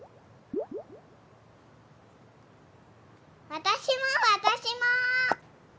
わたしもわたしも。